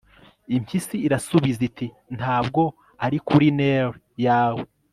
impyisi irasubiza iti 'ntabwo ari kuri nelly yawe